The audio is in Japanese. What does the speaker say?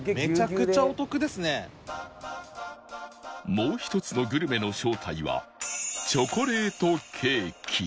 もう一つのグルメの正体はチョコレートケーキ